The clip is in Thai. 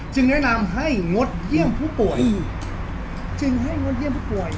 แนะนำให้งดเยี่ยมผู้ป่วยจึงให้งดเยี่ยมผู้ป่วย